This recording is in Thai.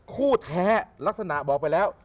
คู่แท้ลักษณะบอกไปแล้ว